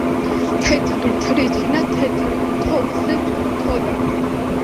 თეთრი თრითინა თეთრ თოვლზე თრთოდა